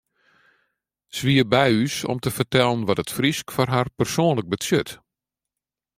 Se wie by ús om te fertellen wat it Frysk foar har persoanlik betsjut.